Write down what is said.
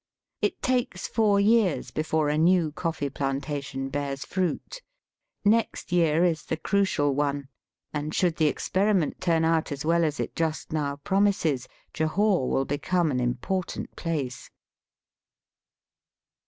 It takes four years before a new coffee plantation bears fruit. Next year is the crucial one, and should the experiment turn out as well as it just now promises, Jahore will become an important place.